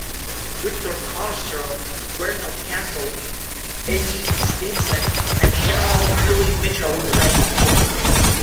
Victor Carlstrom, Vernon Castle, Eddie Stinson and General Billy Mitchell trained here.